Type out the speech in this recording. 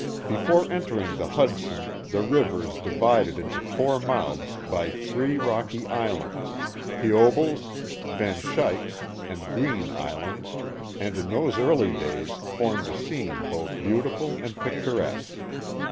Before entering the Hudson the river is divided into four mouths by three rocky islands, Peebles, Van Schaicks, and Green Islands, and in those early days formed a scene both beautiful and picturesque.